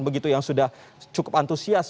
begitu yang sudah cukup antusias